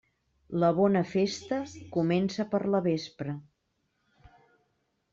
La bona festa comença per la vespra.